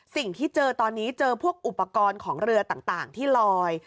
สิ่งที่เจอตอนนี้เจอพวกอุปกรณ์ของเรือต่างที่ลอย